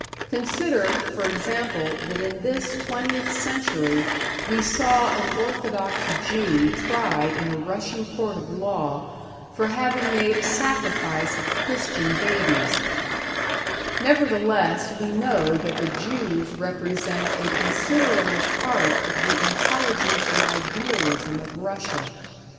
Consider, for example, that in this twentieth century we saw an orthodox Jew tried in a Russian court of law for having made a sacrifice of Christian babies; nevertheless we know that the Jews represent a considerable part of the intelligence and idealism of Russia.